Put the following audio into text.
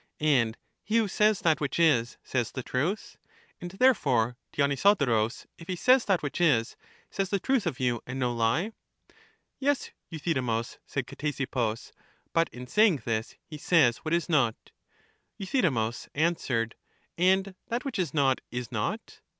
And he who says that which is, says the truth. And therefore Dionysodorus, if he says that which is, says the truth of you and no lie. Yes, Euthydemus, said Ctesippus; but in saying this, he says what is not. Euthydemus answered: And that which is not is not.